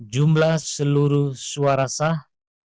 jumlah seluruh suara sah